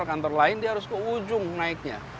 ke kantor lain dia harus ke ujung naiknya